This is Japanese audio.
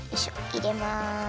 いれます。